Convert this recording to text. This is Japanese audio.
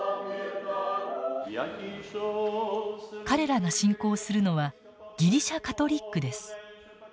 彼らが信仰するのはギリシャ・カトリックです。